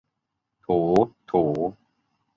โถ โถ